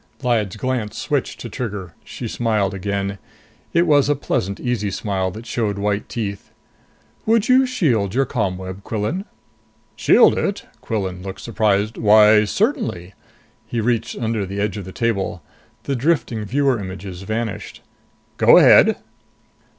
Lyad's glance switched to Trigger; she smiled again. It was a pleasant, easy smile that showed white teeth. "Would you shield your ComWeb, Quillan?" "Shield it?" Quillan looked surprised. "Why, certainly!" He reached under the edge of the table. The drifting viewer images vanished. "Go ahead."